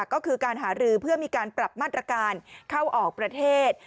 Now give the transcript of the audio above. ก็คือการหารือเพื่อมีการปรับมาตรการเข้าออกประเทศ